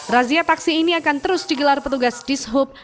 razia taksi ini akan terus digelar petugas dishub